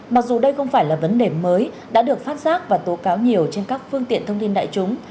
mặc dù đây không phải là vấn đề mới đã được phát giác và tố cáo nhiều trên các phương tiện thông tin đại chúng